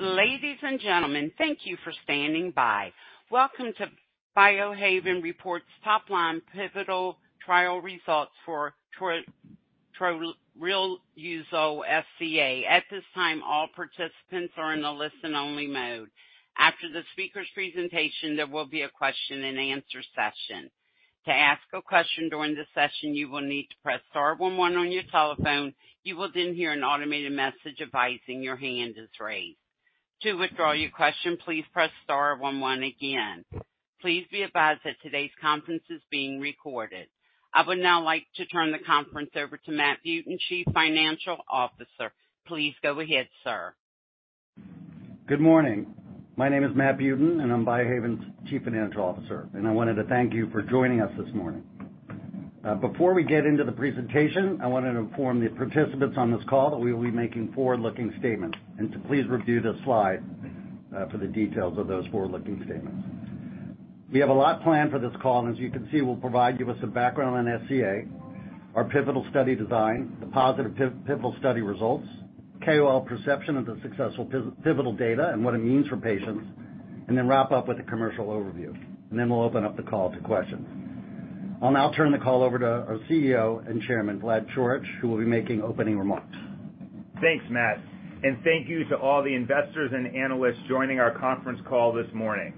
Ladies and gentlemen, thank you for standing by. Welcome to Biohaven Reports Top-Line Pivotal Trial Results for Troriluzole SCA. At this time, all participants are in a listen-only mode. After the speaker's presentation, there will be a question-and-answer session. To ask a question during the session, you will need to press star one one on your telephone. You will then hear an automated message advising your hand is raised. To withdraw your question, please press star one one again. Please be advised that today's conference is being recorded. I would now like to turn the conference over to Matt Buten, Chief Financial Officer. Please go ahead, sir. Good morning. My name is Matt Buten, and I'm Biohaven's Chief Financial Officer, and I wanted to thank you for joining us this morning. Before we get into the presentation, I wanted to inform the participants on this call that we will be making forward-looking statements, and to please review this slide for the details of those forward-looking statements. We have a lot planned for this call, and as you can see, we'll provide you with some background on SCA, our pivotal study design, the positive pivotal study results, KOL perception of the successful pivotal data and what it means for patients, and then wrap up with a commercial overview. And then we'll open up the call to questions. I'll now turn the call over to our CEO and Chairman, Vlad Coric, who will be making opening remarks. Thanks, Matt, and thank you to all the investors and analysts joining our conference call this morning.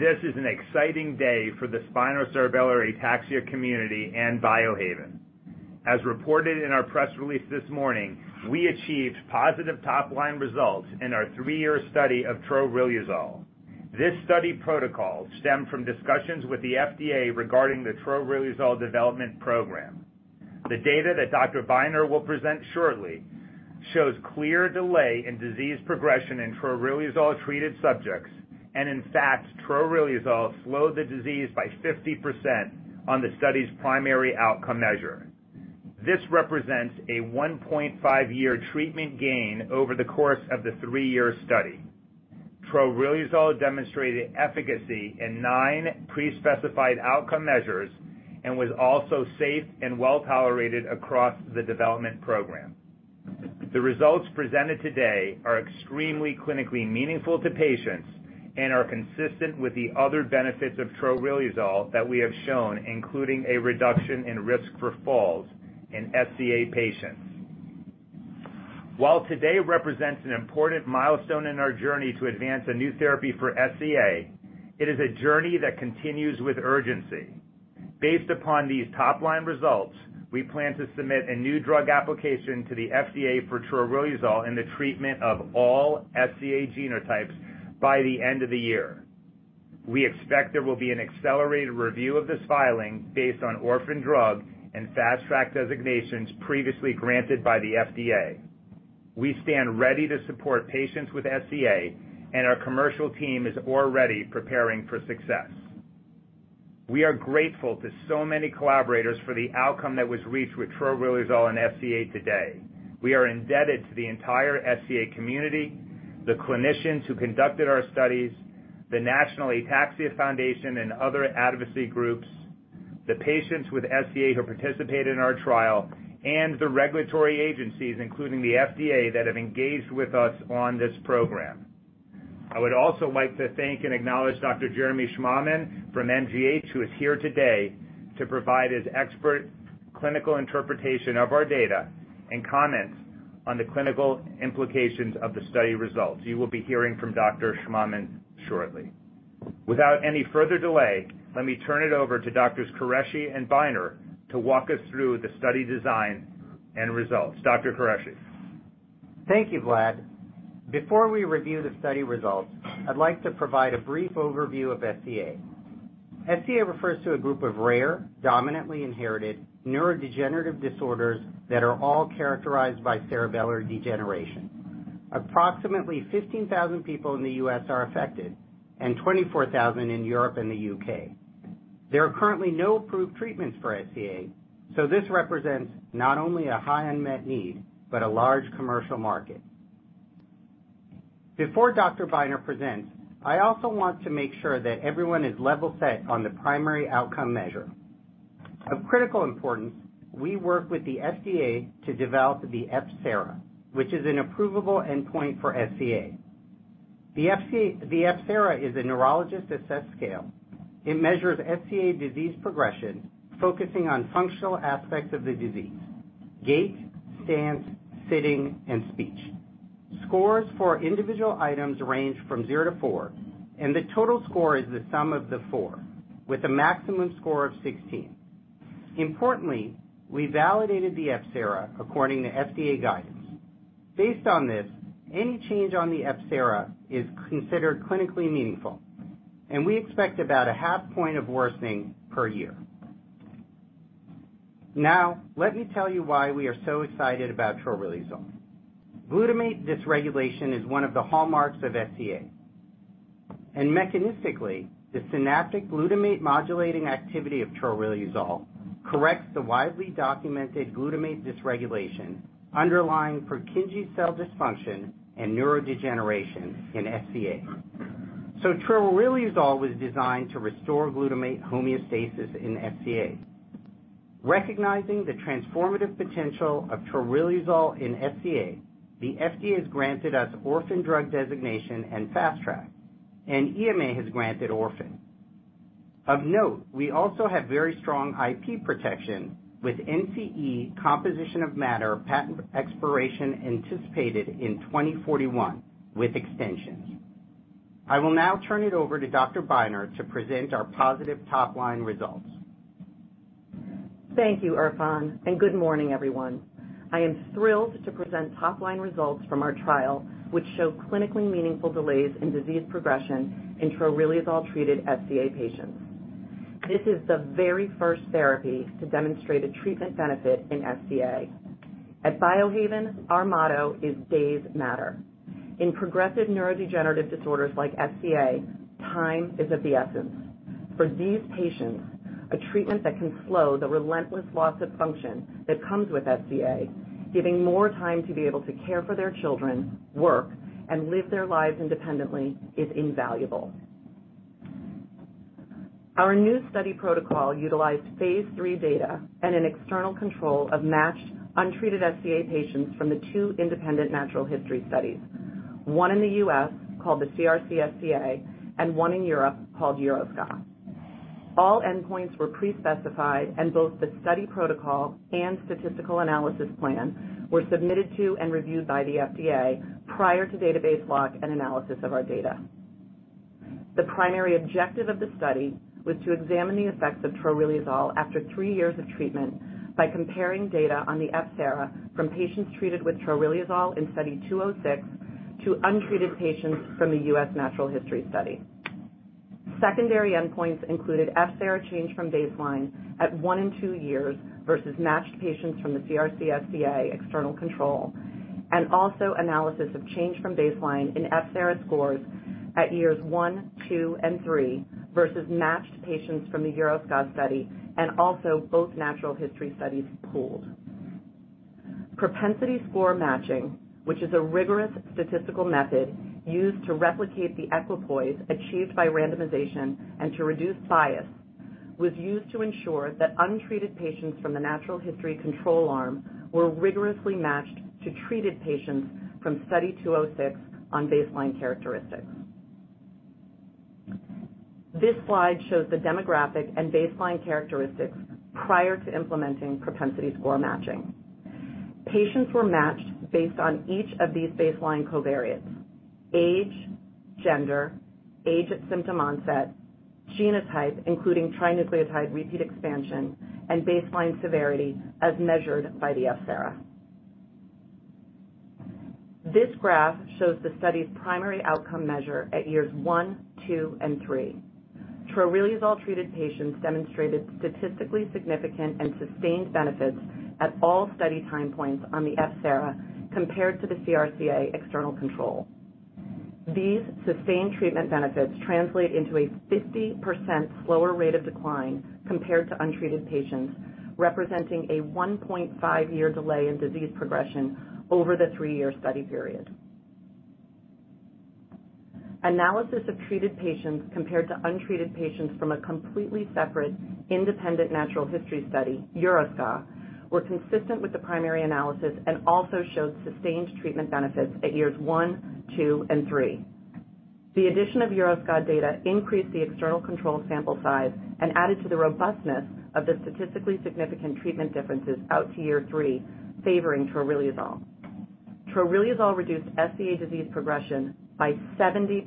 This is an exciting day for the spinocerebellar ataxia community and Biohaven. As reported in our press release this morning, we achieved positive top-line results in our three-year study of troriluzole. This study protocol stemmed from discussions with the FDA regarding the troriluzole development program. The data that Dr. Beiner will present shortly shows clear delay in disease progression in troriluzole-treated subjects, and in fact, troriluzole slowed the disease by 50% on the study's primary outcome measure. This represents a one point five-year treatment gain over the course of the three-year study. Troriluzole demonstrated efficacy in nine pre-specified outcome measures and was also safe and well-tolerated across the development program. The results presented today are extremely clinically meaningful to patients and are consistent with the other benefits of troriluzole that we have shown, including a reduction in risk for falls in SCA patients. While today represents an important milestone in our journey to advance a new therapy for SCA, it is a journey that continues with urgency. Based upon these top-line results, we plan to submit a new drug application to the FDA for troriluzole in the treatment of all SCA genotypes by the end of the year. We expect there will be an accelerated review of this filing based on Orphan Drug and Fast Track designations previously granted by the FDA. We stand ready to support patients with SCA, and our commercial team is already preparing for success. We are grateful to so many collaborators for the outcome that was reached with troriluzole and SCA today. We are indebted to the entire SCA community, the clinicians who conducted our studies, the National Ataxia Foundation and other advocacy groups, the patients with SCA who participated in our trial, and the regulatory agencies, including the FDA, that have engaged with us on this program. I would also like to thank and acknowledge Dr. Jeremy Schmahmann from MGH, who is here today to provide his expert clinical interpretation of our data and comments on the clinical implications of the study results. You will be hearing from Dr. Schmahmann shortly. Without any further delay, let me turn it over to Doctors Qureshi and Beiner to walk us through the study design and results. Dr. Qureshi? Thank you, Vlad. Before we review the study results, I'd like to provide a brief overview of SCA. SCA refers to a group of rare, dominantly inherited neurodegenerative disorders that are all characterized by cerebellar degeneration. Approximately 15,000 people in the U.S. are affected, and 24,000 in Europe and the U.K. There are currently no approved treatments for SCA, so this represents not only a high unmet need, but a large commercial market. Before Dr. Beiner presents, I also want to make sure that everyone is level set on the primary outcome measure. Of critical importance, we work with the FDA to develop the f-SARA, which is an approvable endpoint for SCA. The f-SARA is a neurologist-assessed scale. It measures SCA disease progression, focusing on functional aspects of the disease: gait, stance, sitting, and speech. Scores for individual items range from zero to four, and the total score is the sum of the four, with a maximum score of sixteen. Importantly, we validated the f-SARA according to FDA guidance. Based on this, any change on the f-SARA is considered clinically meaningful, and we expect about a half point of worsening per year. Now, let me tell you why we are so excited about troriluzole. Glutamate dysregulation is one of the hallmarks of SCA, and mechanistically, the synaptic glutamate modulating activity of troriluzole corrects the widely documented glutamate dysregulation underlying Purkinje cell dysfunction and neurodegeneration in SCA. So troriluzole was designed to restore glutamate homeostasis in SCA. Recognizing the transformative potential of troriluzole in SCA, the FDA has granted us Orphan Drug designation and Fast Track, and EMA has granted orphan. Of note, we also have very strong IP protection, with NCE composition of matter patent expiration anticipated in 2041 with extensions. I will now turn it over to Dr. Beiner to present our positive top-line results. Thank you, Irfan, and good morning, everyone. I am thrilled to present top-line results from our trial, which show clinically meaningful delays in disease progression in troriluzole-treated SCA patients. This is the very first therapy to demonstrate a treatment benefit in SCA. At Biohaven, our motto is Days Matter. In progressive neurodegenerative disorders like SCA, time is of the essence. For these patients, a treatment that can slow the relentless loss of function that comes with SCA, giving more time to be able to care for their children, work, and live their lives independently, is invaluable. Our new study protocol utilized phase three data and an external control of matched untreated SCA patients from the two independent natural history studies, one in the U.S., called the CRC-SCA, and one in Europe, called EuroSCA. All endpoints were pre-specified, and both the study protocol and statistical analysis plan were submitted to and reviewed by the FDA prior to database lock and analysis of our data. The primary objective of the study was to examine the effects of troriluzole after three years of treatment by comparing data on the f-SARA from patients treated with troriluzole in Study 206 to untreated patients from the U.S. Natural History Study. Secondary endpoints included f-SARA change from baseline at one and two years versus matched patients from the CRC-SCA external control, and also analysis of change from baseline in f-SARA scores at years one, two, and three versus matched patients from the EuroSCA study, and also both natural history studies pooled. Propensity score matching, which is a rigorous statistical method used to replicate the equipoise achieved by randomization and to reduce bias, was used to ensure that untreated patients from the natural history control arm were rigorously matched to treated patients from Study 206 on baseline characteristics. This slide shows the demographic and baseline characteristics prior to implementing propensity score matching. Patients were matched based on each of these baseline covariates: age, gender, age at symptom onset, genotype, including trinucleotide repeat expansion, and baseline severity as measured by the f-SARA. This graph shows the study's primary outcome measure at years one, two, and three. Troriluzole-treated patients demonstrated statistically significant and sustained benefits at all study time points on the f-SARA compared to the CRC-SCA external control. These sustained treatment benefits translate into a 50% slower rate of decline compared to untreated patients, representing a 1.5-year delay in disease progression over the three-year study period. Analysis of treated patients compared to untreated patients from a completely separate, independent natural history study, EuroSCA, were consistent with the primary analysis and also showed sustained treatment benefits at years one, two, and three. The addition of EuroSCA data increased the external control sample size and added to the robustness of the statistically significant treatment differences out to year three, favoring troriluzole. Troriluzole reduced SCA disease progression by 70%,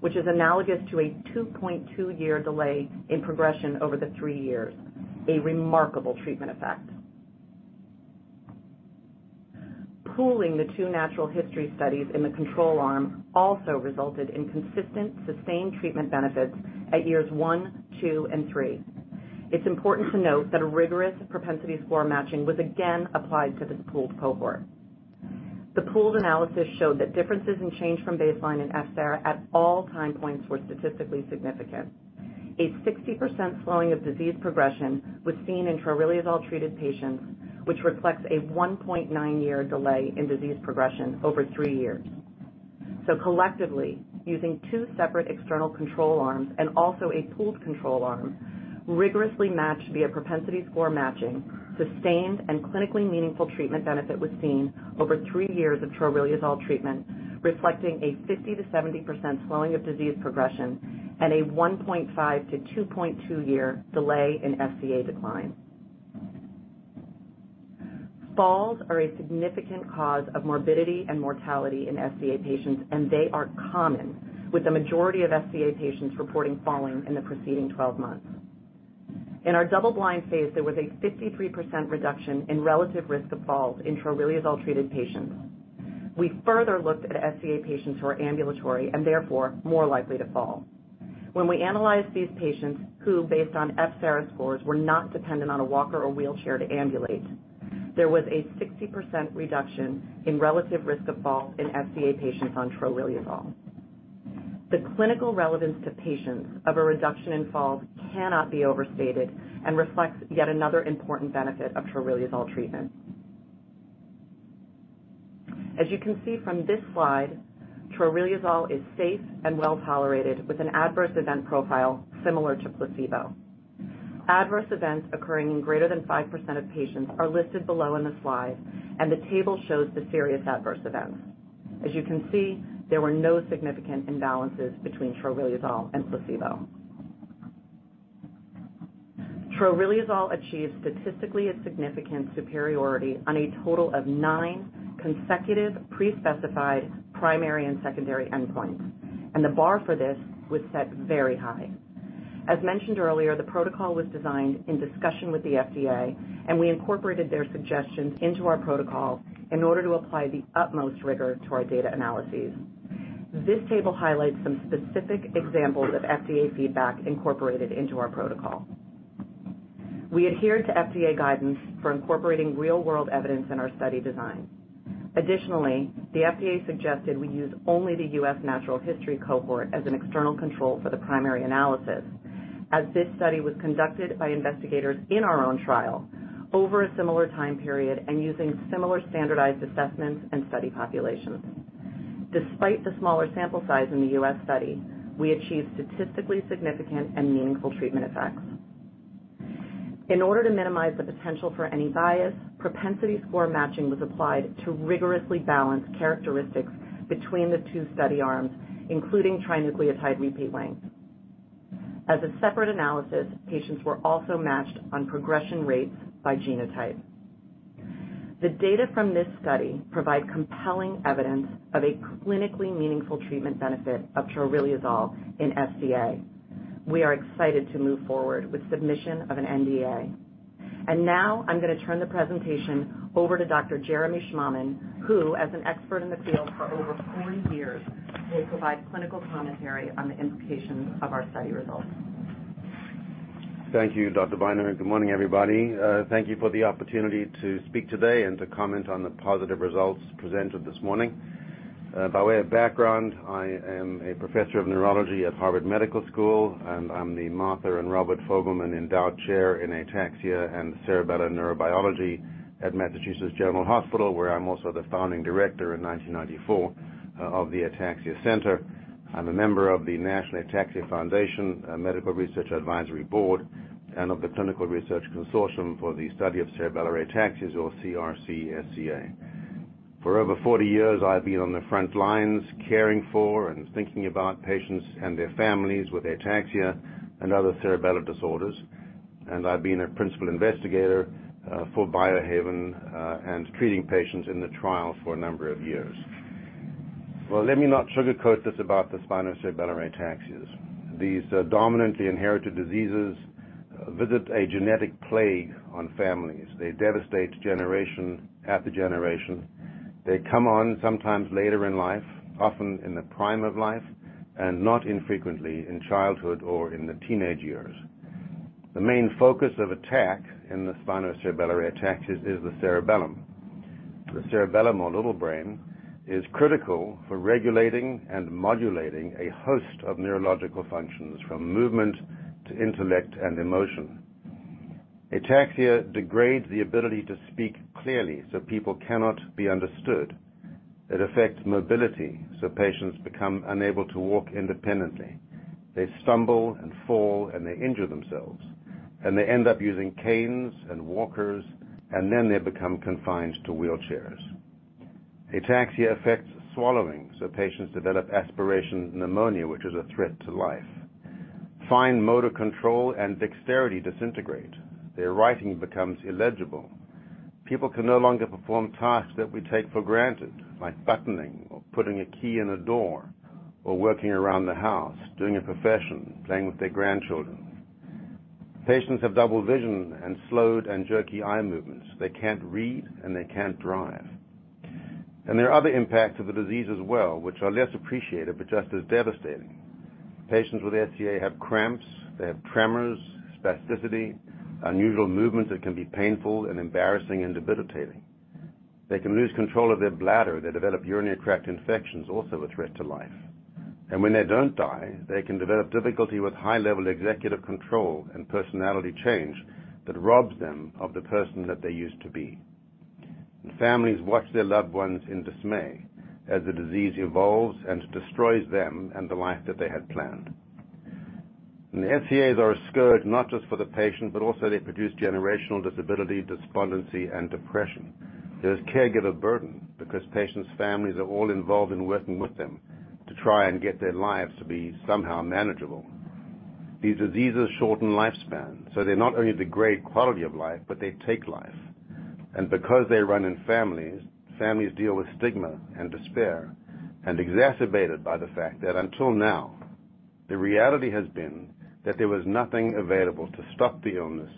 which is analogous to a 2.2-year delay in progression over the three years, a remarkable treatment effect. Pooling the two natural history studies in the control arm also resulted in consistent, sustained treatment benefits at years one, two, and three. It's important to note that a rigorous propensity score matching was again applied to this pooled cohort. The pooled analysis showed that differences in change from baseline in f-SARA at all time points were statistically significant. A 60% slowing of disease progression was seen in troriluzole-treated patients, which reflects a 1.9-year delay in disease progression over three years, so collectively, using two separate external control arms and also a pooled control arm, rigorously matched via propensity score matching, sustained and clinically meaningful treatment benefit was seen over three years of troriluzole treatment, reflecting a 50%-70% slowing of disease progression and a 1.5-2.2-year delay in SCA decline. Falls are a significant cause of morbidity and mortality in SCA patients, and they are common, with the majority of SCA patients reporting falling in the preceding 12 months. In our double-blind phase, there was a 53% reduction in relative risk of falls in troriluzole-treated patients. We further looked at SCA patients who are ambulatory and therefore more likely to fall. When we analyzed these patients, who, based on FSARA scores, were not dependent on a walker or wheelchair to ambulate, there was a 60% reduction in relative risk of falls in SCA patients on troriluzole. The clinical relevance to patients of a reduction in falls cannot be overstated and reflects yet another important benefit of troriluzole treatment. As you can see from this slide, troriluzole is safe and well tolerated, with an adverse event profile similar to placebo. Adverse events occurring in greater than 5% of patients are listed below in the slide, and the table shows the serious adverse events. As you can see, there were no significant imbalances between troriluzole and placebo. Troriluzole achieved statistically a significant superiority on a total of nine consecutive pre-specified primary and secondary endpoints, and the bar for this was set very high. As mentioned earlier, the protocol was designed in discussion with the FDA, and we incorporated their suggestions into our protocol in order to apply the utmost rigor to our data analyses. This table highlights some specific examples of FDA feedback incorporated into our protocol. We adhered to FDA guidance for incorporating real-world evidence in our study design. Additionally, the FDA suggested we use only the U.S. Natural History Cohort as an external control for the primary analysis, as this study was conducted by investigators in our own trial over a similar time period, and using similar standardized assessments and study populations. Despite the smaller sample size in the U.S. study, we achieved statistically significant and meaningful treatment effects. In order to minimize the potential for any bias, propensity score matching was applied to rigorously balance characteristics between the two study arms, including trinucleotide repeat length. As a separate analysis, patients were also matched on progression rates by genotype. The data from this study provide compelling evidence of a clinically meaningful treatment benefit of troriluzole in SCA. We are excited to move forward with submission of an NDA, and now I'm going to turn the presentation over to Dr. Jeremy Schmahmann, who, as an expert in the field for over forty years, will provide clinical commentary on the implications of our study results. Thank you, Dr. Beiner. Good morning, everybody. Thank you for the opportunity to speak today and to comment on the positive results presented this morning. By way of background, I am a professor of neurology at Harvard Medical School, and I'm the Martha and Robert Fogelman Endowed Chair in Ataxia and Cerebellar Neurobiology at Massachusetts General Hospital, where I'm also the founding director in nineteen ninety-four of the Ataxia Center. I'm a member of the National Ataxia Foundation Medical Research Advisory Board and of the Clinical Research Consortium for the Study of Cerebellar Ataxias, or CRC-SCA. For over forty years, I've been on the front lines caring for and thinking about patients and their families with ataxia and other cerebellar disorders, and I've been a principal investigator for Biohaven and treating patients in the trial for a number of years. Let me not sugarcoat this about the spinocerebellar ataxias. These, dominantly inherited diseases visit a genetic plague on families. They devastate generation after generation. They come on sometimes later in life, often in the prime of life, and not infrequently in childhood or in the teenage years. The main focus of attack in the spinocerebellar ataxias is the cerebellum. The cerebellum, or little brain, is critical for regulating and modulating a host of neurological functions, from movement to intellect and emotion. Ataxia degrades the ability to speak clearly so people cannot be understood. It affects mobility, so patients become unable to walk independently. They stumble and fall, and they injure themselves, and they end up using canes and walkers, and then they become confined to wheelchairs. Ataxia affects swallowing, so patients develop aspiration pneumonia, which is a threat to life. Fine motor control and dexterity disintegrate. Their writing becomes illegible. People can no longer perform tasks that we take for granted, like buttoning or putting a key in a door or working around the house, doing a profession, playing with their grandchildren. Patients have double vision and slowed and jerky eye movements. They can't read, and they can't drive. And there are other impacts of the disease as well, which are less appreciated, but just as devastating. Patients with SCA have cramps, they have tremors, spasticity, unusual movements that can be painful and embarrassing and debilitating. They can lose control of their bladder. They develop urinary tract infections, also a threat to life. And when they don't die, they can develop difficulty with high-level executive control and personality change that robs them of the person that they used to be. And families watch their loved ones in dismay as the disease evolves and destroys them and the life that they had planned. And the SCAs are a scourge, not just for the patient, but also they produce generational disability, despondency, and depression. There's caregiver burden because patients' families are all involved in working with them to try and get their lives to be somehow manageable. These diseases shorten lifespan, so they not only degrade quality of life, but they take life. And because they run in families, families deal with stigma and despair, and exacerbated by the fact that until now, the reality has been that there was nothing available to stop the illness,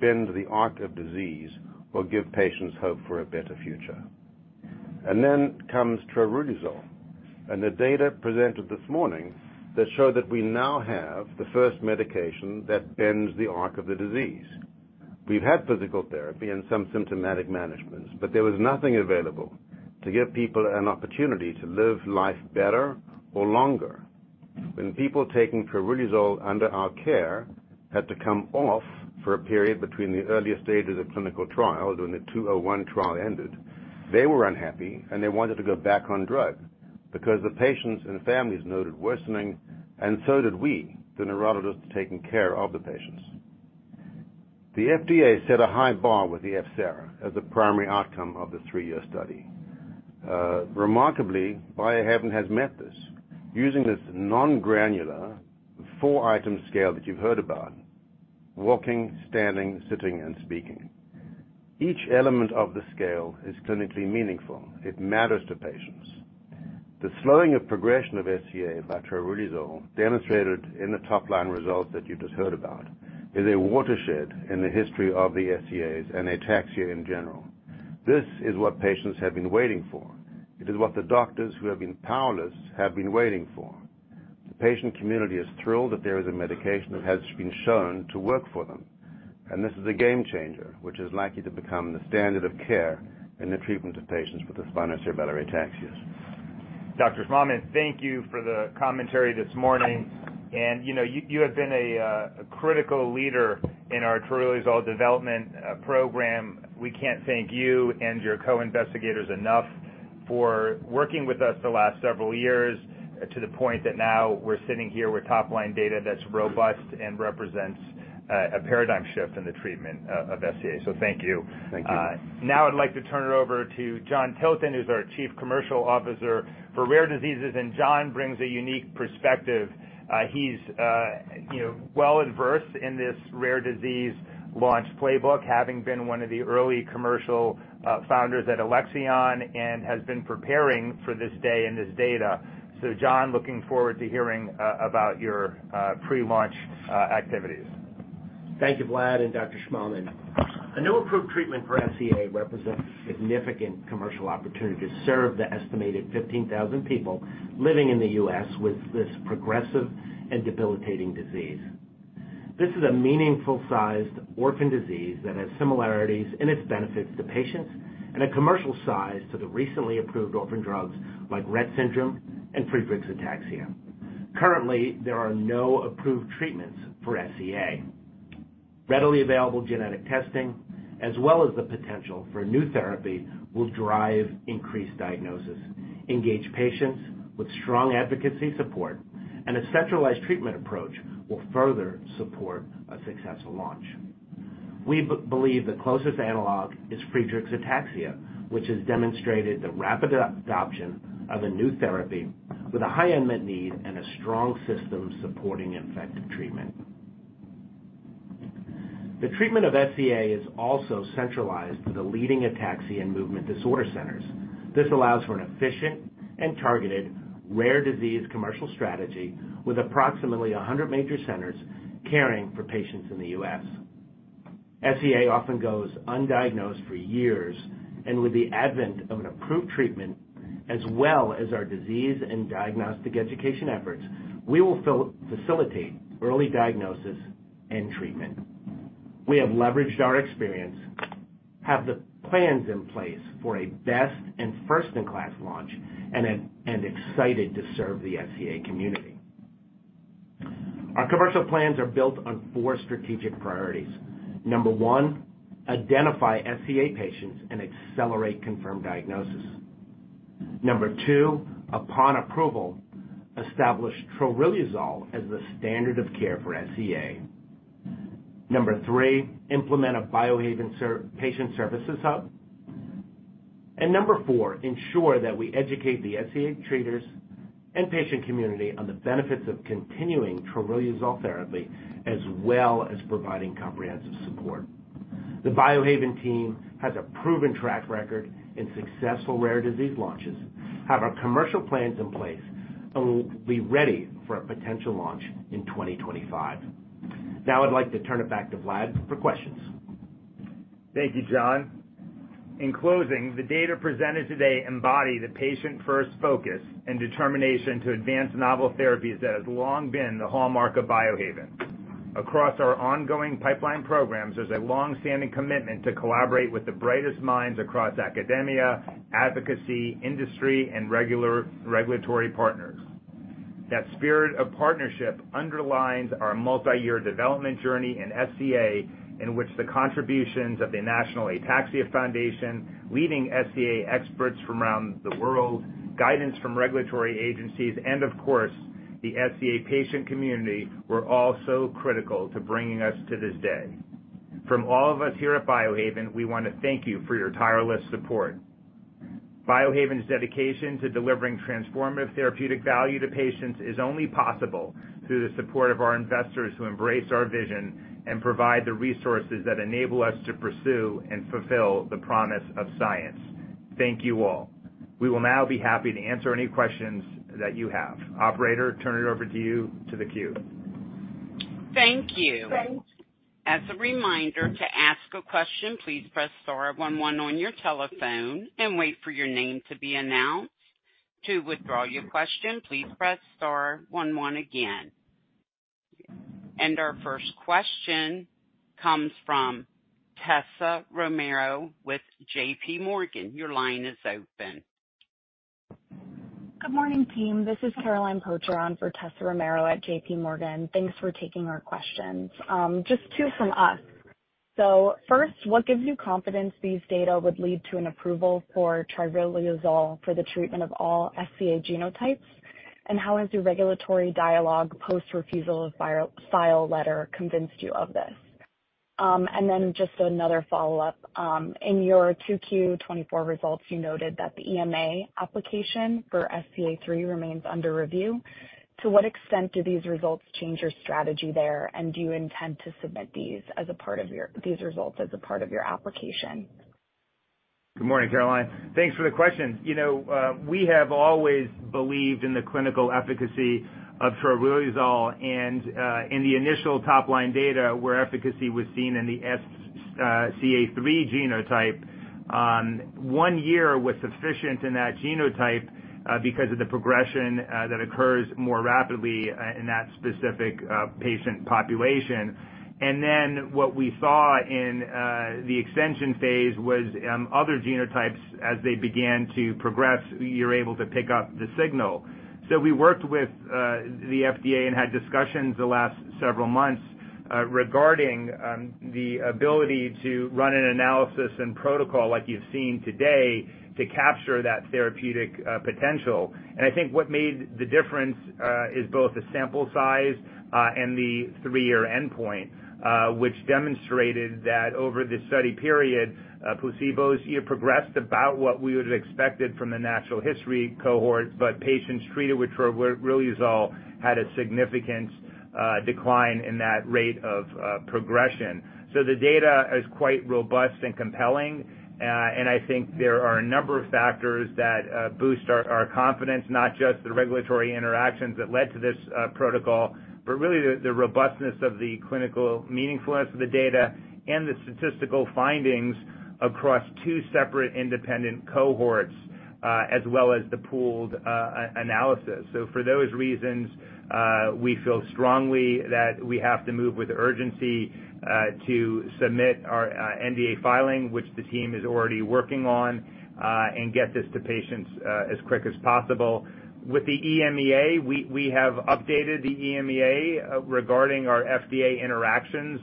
bend the arc of disease, or give patients hope for a better future. Then comes troriluzole and the data presented this morning that show that we now have the first medication that bends the arc of the disease. We've had physical therapy and some symptomatic managements, but there was nothing available to give people an opportunity to live life better or longer. When people taking troriluzole under our care had to come off for a period between the earliest stage of the clinical trial, when the 201 trial ended, they were unhappy, and they wanted to go back on drug because the patients and families noted worsening, and so did we, the neurologists taking care of the patients. The FDA set a high bar with the f-SARA as the primary outcome of the three-year study. Remarkably, Biohaven has met this using this non-granular four-item scale that you've heard about, walking, standing, sitting, and speaking. Each element of the scale is clinically meaningful. It matters to patients. The slowing of progression of SCA by troriluzole, demonstrated in the top-line results that you just heard about, is a watershed in the history of the SCAs and ataxia in general. This is what patients have been waiting for. It is what the doctors who have been powerless have been waiting for. The patient community is thrilled that there is a medication that has been shown to work for them, and this is a game changer, which is likely to become the standard of care in the treatment of patients with spinocerebellar ataxias. Dr. Schmahmann, thank you for the commentary this morning, and, you know, you have been a critical leader in our troriluzole development program. We can't thank you and your co-investigators enough for working with us the last several years, to the point that now we're sitting here with top-line data that's robust and represents a paradigm shift in the treatment of SCA. So thank you. Thank you. Now I'd like to turn it over to John Tilton, who's our Chief Commercial Officer for Rare Diseases, and John brings a unique perspective. He's, you know, well-versed in this rare disease launch playbook, having been one of the early commercial founders at Alexion and has been preparing for this day and this data. John, looking forward to hearing about your pre-launch activities. Thank you, Vlad and Dr. Schmahmann. A new approved treatment for SCA represents a significant commercial opportunity to serve the estimated 15,000 people living in the U.S. with this progressive and debilitating disease. This is a meaningful-sized orphan disease that has similarities in its benefits to patients and a commercial size to the recently approved Orphan Drugs like Rett syndrome and Friedreich's ataxia. Currently, there are no approved treatments for SCA. Readily available genetic testing, as well as the potential for a new therapy, will drive increased diagnosis, engage patients with strong advocacy support, and a centralized treatment approach will further support a successful launch. We believe the closest analog is Friedreich's ataxia, which has demonstrated the rapid adoption of a new therapy with a high unmet need and a strong system supporting effective treatment. The treatment of SCA is also centralized through the leading ataxia and movement disorder centers. This allows for an efficient and targeted rare disease commercial strategy with approximately 100 major centers caring for patients in the U.S. SCA often goes undiagnosed for years, and with the advent of an approved treatment, as well as our disease and diagnostic education efforts, we will facilitate early diagnosis and treatment. We have leveraged our experience, have the plans in place for a best and first-in-class launch and excited to serve the SCA community. Our commercial plans are built on four strategic priorities. Number one, identify SCA patients and accelerate confirmed diagnosis. Number two, upon approval, establish troriluzole as the standard of care for SCA. Number three, implement a Biohaven patient services hub. Number four, ensure that we educate the SCA treaters and patient community on the benefits of continuing troriluzole therapy, as well as providing comprehensive support. The Biohaven team has a proven track record in successful rare disease launches, have our commercial plans in place, and we'll be ready for a potential launch in 2025. Now, I'd like to turn it back to Vlad for questions. Thank you, John. In closing, the data presented today embody the patient-first focus and determination to advance novel therapies that have long been the hallmark of Biohaven. Across our ongoing pipeline programs, there's a long-standing commitment to collaborate with the brightest minds across academia, advocacy, industry, and regulatory partners. That spirit of partnership underlines our multiyear development journey in SCA, in which the contributions of the National Ataxia Foundation, leading SCA experts from around the world, guidance from regulatory agencies and, of course, the SCA patient community, were also critical to bringing us to this day. From all of us here at Biohaven, we want to thank you for your tireless support. Biohaven's dedication to delivering transformative therapeutic value to patients is only possible through the support of our investors, who embrace our vision and provide the resources that enable us to pursue and fulfill the promise of science. Thank you all. We will now be happy to answer any questions that you have. Operator, turn it over to you, to the queue. Thank you. As a reminder, to ask a question, please press star one one on your telephone and wait for your name to be announced. To withdraw your question, please press star one one again... And our first question comes from Tessa Romero with JPMorgan. Your line is open. Good morning, team. This is Caroline Pocher on for Tessa Romero at JPMorgan. Thanks for taking our questions. Just two from us. So first, what gives you confidence these data would lead to an approval for troriluzole for the treatment of all SCA genotypes? And how has your regulatory dialogue post-refusal to file letter convinced you of this? And then just another follow-up. In your 2Q 2024 results, you noted that the EMA application for SCA3 remains under review. To what extent do these results change your strategy there? And do you intend to submit these as a part of your-- these results as a part of your application? Good morning, Caroline. Thanks for the question. You know, we have always believed in the clinical efficacy of troriluzole, and, in the initial top-line data where efficacy was seen in the SCA-3 genotype, one year was sufficient in that genotype, because of the progression that occurs more rapidly in that specific patient population. And then what we saw in the extension phase was, other genotypes as they began to progress, you're able to pick up the signal. So we worked with the FDA and had discussions the last several months, regarding the ability to run an analysis and protocol like you've seen today, to capture that therapeutic potential. I think what made the difference is both the sample size and the three-year endpoint, which demonstrated that over the study period, placebos, you have progressed about what we would have expected from the natural history cohort, but patients treated with troriluzole had a significant decline in that rate of progression. So the data is quite robust and compelling, and I think there are a number of factors that boost our confidence, not just the regulatory interactions that led to this protocol, but really the robustness of the clinical meaningfulness of the data and the statistical findings across two separate independent cohorts, as well as the pooled analysis. So for those reasons, we feel strongly that we have to move with urgency, to submit our NDA filing, which the team is already working on, and get this to patients, as quick as possible. With the EMA, we, we have updated the EMA, regarding our FDA interactions,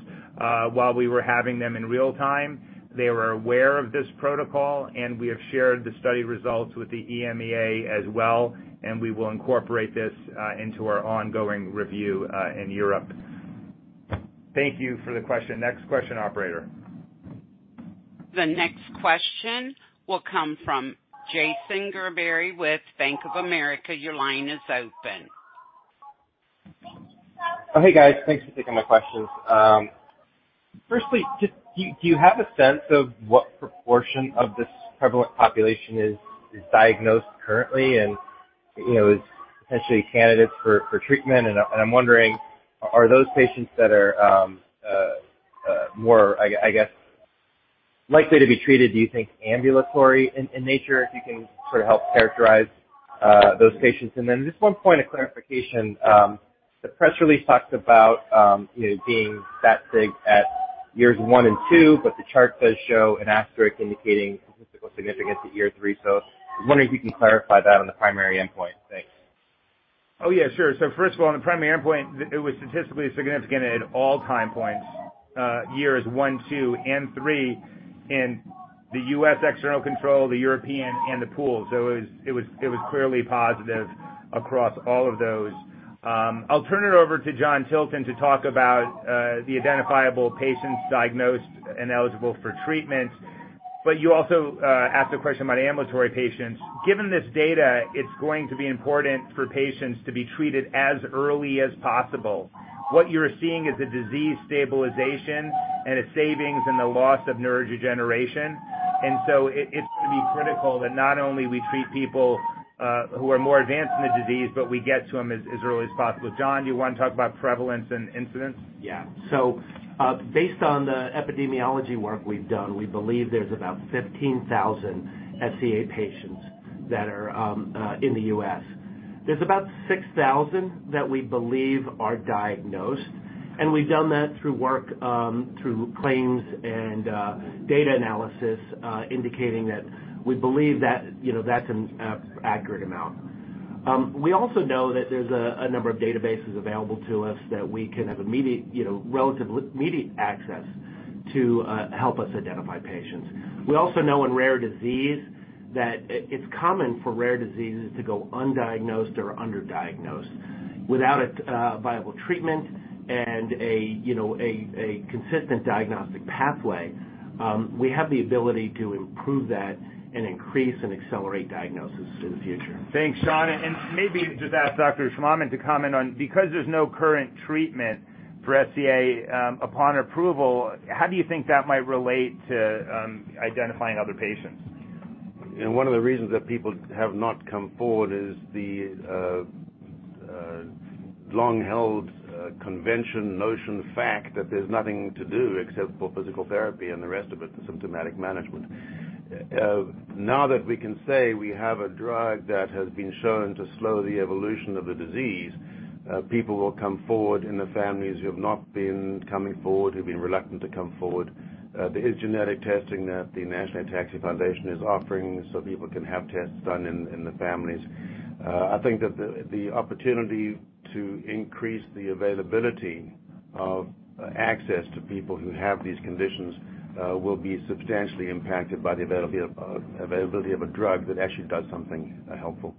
while we were having them in real time. They were aware of this protocol, and we have shared the study results with the EMA as well, and we will incorporate this, into our ongoing review, in Europe. Thank you for the question. Next question, operator. The next question will come from Jason Gerberry with Bank of America. Your line is open. Oh, hey, guys. Thanks for taking my questions. Firstly, just, do you have a sense of what proportion of this prevalent population is diagnosed currently and, you know, is potentially candidates for treatment? And I'm wondering, are those patients that are more, I guess, likely to be treated, do you think, ambulatory in nature? If you can sort of help characterize those patients. And then just one point of clarification. The press release talks about, you know, being that big at years one and two, but the chart does show an asterisk indicating statistical significance at year three. So I was wondering if you can clarify that on the primary endpoint. Thanks. Oh, yeah, sure. So first of all, on the primary endpoint, it was statistically significant at all time points, years one, two, and three in the U.S. external control, the European and the pool. So it was clearly positive across all of those. I'll turn it over to John Tilton to talk about the identifiable patients diagnosed and eligible for treatment. But you also asked a question about ambulatory patients. Given this data, it's going to be important for patients to be treated as early as possible. What you're seeing is a disease stabilization and a savings in the loss of neurodegeneration. And so it, it's going to be critical that not only we treat people who are more advanced in the disease, but we get to them as early as possible. John, do you want to talk about prevalence and incidence? Yeah. So, based on the epidemiology work we've done, we believe there's about 15,000 SCA patients that are in the U.S. There's about 6,000 that we believe are diagnosed, and we've done that through work through claims and data analysis indicating that we believe that, you know, that's an accurate amount. We also know that there's a number of databases available to us that we can have immediate, you know, relatively immediate access to help us identify patients. We also know in rare disease, that it, it's common for rare diseases to go undiagnosed or underdiagnosed. Without a viable treatment and a, you know, a consistent diagnostic pathway, we have the ability to improve that and increase and accelerate diagnosis in the future. Thanks, John, and maybe just ask Dr. Schmahmann to comment on, because there's no current treatment for SCA, upon approval, how do you think that might relate to identifying other patients? And one of the reasons that people have not come forward is the long-held convention, notion, fact that there's nothing to do except for physical therapy and the rest of it, the symptomatic management. Now that we can say we have a drug that has been shown to slow the evolution of the disease, people will come forward in the families who have not been coming forward, who've been reluctant to come forward. There is genetic testing that the National Ataxia Foundation is offering so people can have tests done in the families. I think that the opportunity to increase the availability of access to people who have these conditions will be substantially impacted by the availability of a drug that actually does something helpful.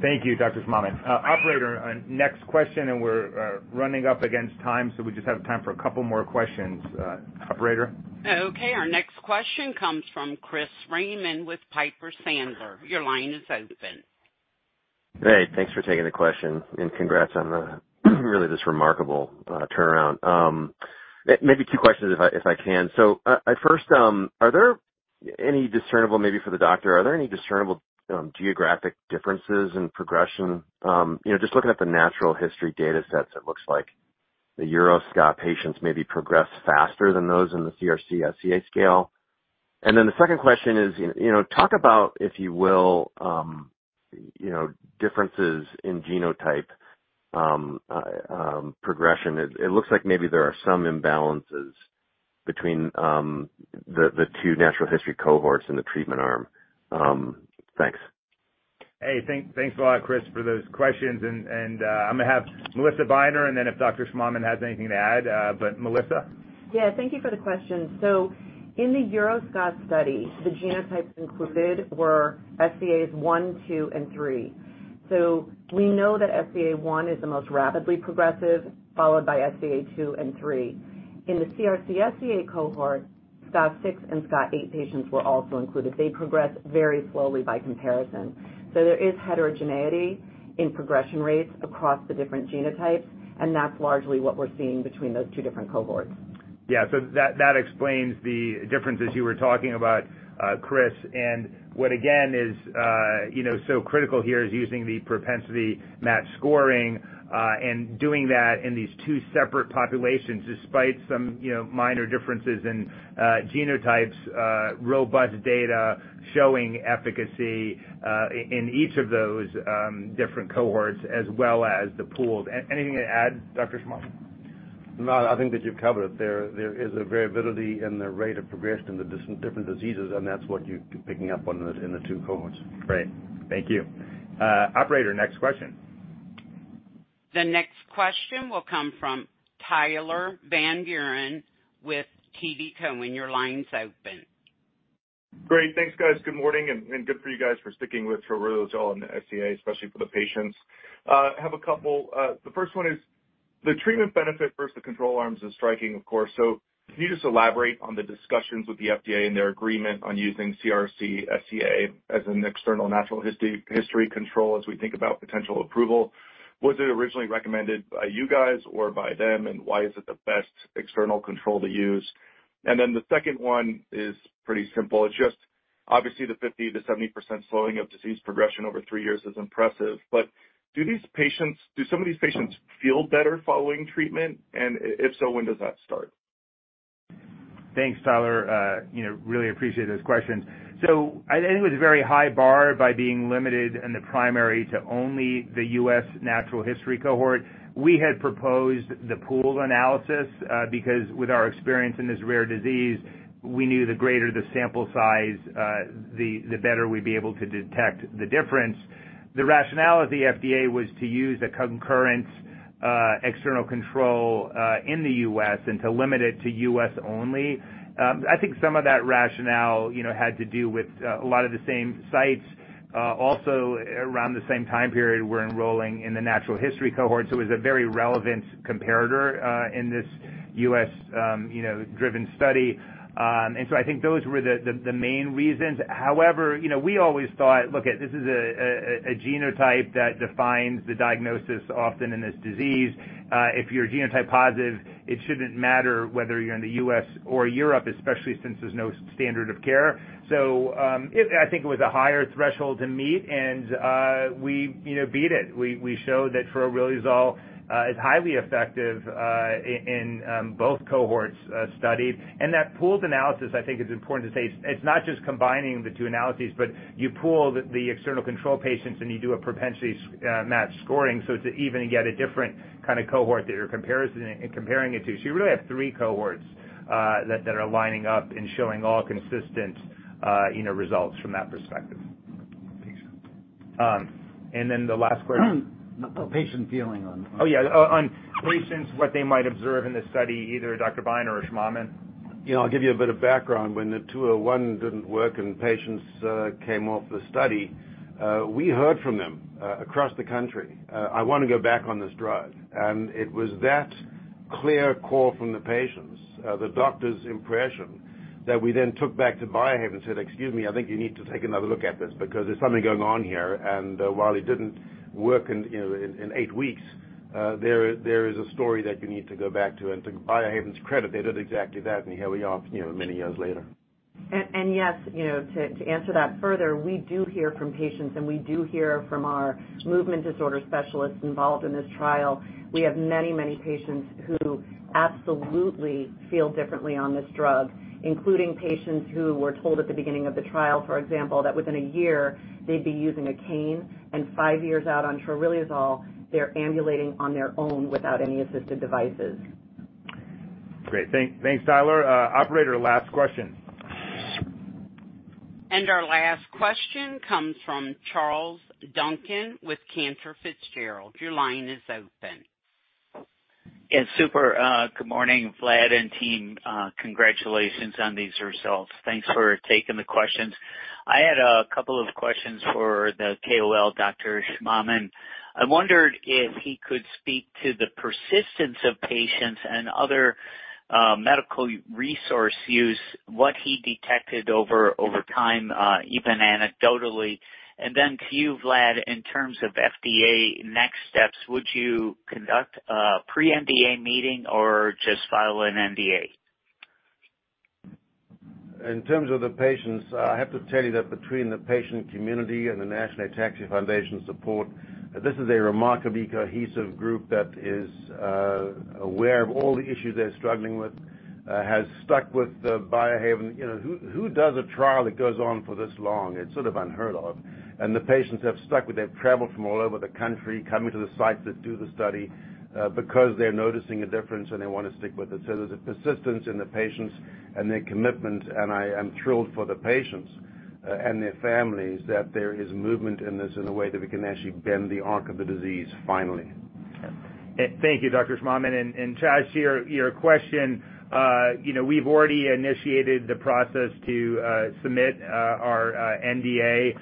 Thank you, Dr. Schmahmann. Operator, next question, and we're running up against time, so we just have time for a couple more questions. Operator? Okay, our next question comes from Chris Raymond with Piper Sandler. Your line is open. Hey, thanks for taking the question, and congrats on the, really this remarkable, turnaround. Maybe two questions, if I can. So, at first, are there any discernible, maybe for the doctor, are there any discernible, geographic differences in progression? You know, just looking at the natural history data sets, it looks like the EuroSCA patients maybe progress faster than those in the CRC-SCA scale. And then the second question is, you know, talk about, if you will, you know, differences in genotype, progression. It looks like maybe there are some imbalances between, the, the two natural history cohorts in the treatment arm. Thanks. Hey, thanks a lot, Chris, for those questions. And, I'm gonna have Melissa Beiner, and then if Dr. Schmahmann has anything to add, but Melissa? Yeah, thank you for the question. So in the EuroSCA study, the genotypes included were SCA 1, 2, and 3. So we know that SCA 1 is the most rapidly progressive, followed by SCA 2 and 3. In the CRC-SCA cohort, SCA 6 and SCA 8 patients were also included. They progress very slowly by comparison. So there is heterogeneity in progression rates across the different genotypes, and that's largely what we're seeing between those two different cohorts. Yeah, so that, that explains the differences you were talking about, Chris. And what, again, is, you know, so critical here is using the propensity score matching and doing that in these two separate populations, despite some, you know, minor differences in genotypes, robust data showing efficacy in each of those different cohorts, as well as the pooled. Anything to add, Dr. Schmahmann? No, I think that you've covered it. There is a variability in the rate of progression in the different diseases, and that's what you're picking up on in the two cohorts. Great. Thank you. Operator, next question. The next question will come from Tyler Van Buren with TD Cowen. Your line's open. Great. Thanks, guys. Good morning, and good for you guys for sticking with troriluzole and SCA, especially for the patients. I have a couple. The first one is, the treatment benefit versus the control arms is striking, of course. So can you just elaborate on the discussions with the FDA and their agreement on using CRC-SCA as an external natural history control as we think about potential approval? Was it originally recommended by you guys or by them, and why is it the best external control to use? And then the second one is pretty simple. It's just, obviously, the 50%-70% slowing of disease progression over three years is impressive, but do these patients, do some of these patients feel better following treatment? And if so, when does that start? Thanks, Tyler. You know, really appreciate those questions. So I think it was a very high bar by being limited in the primary to only the U.S. natural history cohort. We had proposed the pooled analysis because with our experience in this rare disease, we knew the greater the sample size, the better we'd be able to detect the difference. The rationale of the FDA was to use a concurrent external control in the U.S. and to limit it to U.S. only. I think some of that rationale, you know, had to do with a lot of the same sites. Also, around the same time period, we're enrolling in the natural history cohort, so it was a very relevant comparator in this U.S., you know, driven study. And so I think those were the main reasons. However, you know, we always thought, look, this is a genotype that defines the diagnosis often in this disease. If you're genotype positive, it shouldn't matter whether you're in the U.S. or Europe, especially since there's no standard of care. So, it. I think it was a higher threshold to meet, and we, you know, beat it. We showed that troriluzole is highly effective in both cohorts studied. And that pooled analysis, I think it's important to say, it's not just combining the two analyses, but you pool the external control patients, and you do a propensity score matching. So it's an even and yet a different kind of cohort that you're comparing it to. You really have three cohorts that are lining up and showing all consistent, you know, results from that perspective. Thanks. And then the last question? The patient feeling on- Oh, yeah, on patients, what they might observe in this study, either Dr. Beiner or Schmahmann. You know, I'll give you a bit of background. When the 201 didn't work and patients came off the study, we heard from them across the country, "I want to go back on this drug." And it was that clear call from the patients, the doctor's impression, that we then took back to Biohaven and said: "Excuse me, I think you need to take another look at this because there's something going on here. And while it didn't work in, you know, in eight weeks, there is a story that you need to go back to." And to Biohaven's credit, they did exactly that, and here we are, you know, many years later. Yes, you know, to answer that further, we do hear from patients, and we do hear from our movement disorder specialists involved in this trial. We have many, many patients who absolutely feel differently on this drug, including patients who were told at the beginning of the trial, for example, that within a year they'd be using a cane, and five years out on troriluzole, they're ambulating on their own without any assisted devices. Great. Thanks, Tyler. Operator, last question. Our last question comes from Charles Duncan with Cantor Fitzgerald. Your line is open. Yes, super. Good morning, Vlad and team. Congratulations on these results. Thanks for taking the questions. I had a couple of questions for the KOL, Dr. Schmahmann. I wondered if he could speak to the persistence of patients and other medical resource use, what he detected over time, even anecdotally. And then to you, Vlad, in terms of FDA next steps, would you conduct a pre-NDA meeting or just file an NDA? In terms of the patients, I have to tell you that between the patient community and the National Ataxia Foundation support, this is a remarkably cohesive group that is aware of all the issues they're struggling with, has stuck with the Biohaven. You know, who does a trial that goes on for this long? It's sort of unheard of, and the patients have stuck with it. They've traveled from all over the country, coming to the sites that do the study, because they're noticing a difference, and they want to stick with it, so there's a persistence in the patients and their commitment, and I am thrilled for the patients, and their families, that there is movement in this in a way that we can actually bend the arc of the disease finally. Thank you, Dr. Schmahmann. And Charles, to your question, you know, we've already initiated the process to submit our NDA.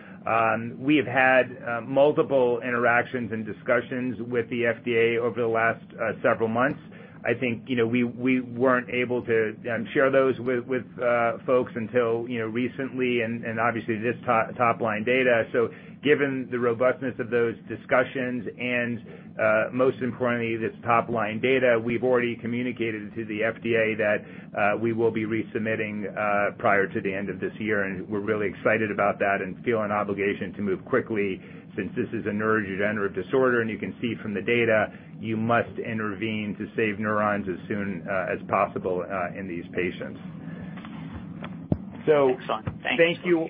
We have had multiple interactions and discussions with the FDA over the last several months. I think, you know, we weren't able to share those with folks until, you know, recently, and obviously, this top-line data. So given the robustness of those discussions and most importantly, this top-line data, we've already communicated to the FDA that we will be resubmitting prior to the end of this year. And we're really excited about that and feel an obligation to move quickly since this is a neurodegenerative disorder. And you can see from the data, you must intervene to save neurons as soon as possible in these patients. Excellent. Thank you.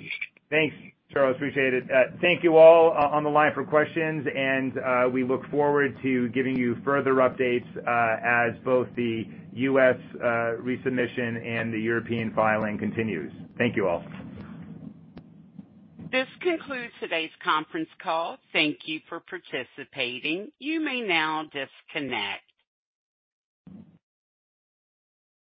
Thanks, Charles, appreciate it. Thank you all on the line for questions, and we look forward to giving you further updates, as both the U.S. resubmission and the European filing continues. Thank you all. This concludes today's conference call. Thank you for participating. You may now disconnect.